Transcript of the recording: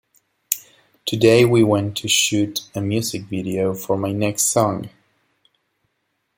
Today we went to shoot a music video for my next song.